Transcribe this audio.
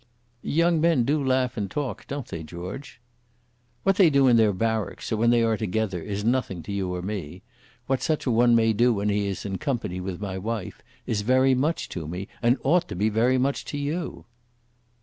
"Young men do laugh and talk, don't they, George?" "What they do in their barracks, or when they are together, is nothing to you or me. What such a one may do when he is in company with my wife is very much to me, and ought to be very much to you."